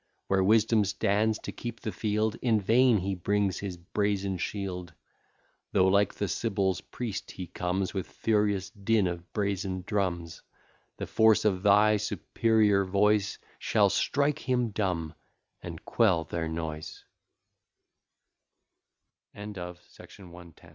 Where wisdom stands to keep the field, In vain he brings his brazen shield; Though like the sibyl's priest he comes, With furious din of brazen drums The force of thy superior voice Shall strike him dumb